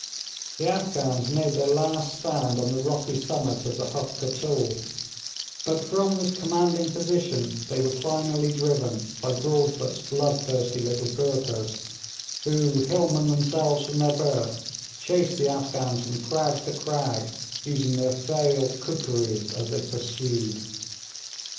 The Afghans made their last stand on the rocky summit of the Huft Kotul; but from this commanding position they were finally driven by Broadfoot's bloodthirsty little Goorkhas, who, hillmen themselves from their birth, chased the Afghans from crag to crag, using their fell kookeries as they pursued.